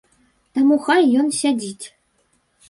Таму хай ён сядзіць.